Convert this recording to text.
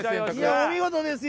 お見事ですよ